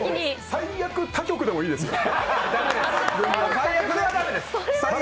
最悪、他局でもいいですよ。